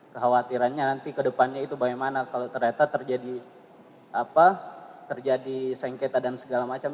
kekhawatirannya nanti kedepannya itu bagaimana kalau ternyata terjadi apa terjadi sengketa dan segala macam